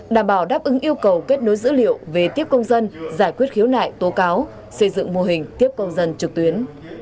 đảm bảo đáp ứng yêu cầu kết nối dữ liệu về tiếp công dân giải quyết khiếu nại tố cáo xây dựng mô hình tiếp công dân trực tuyến